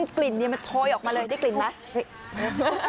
กลิ่นมันโชยออกมาเลยได้กลิ่นไหม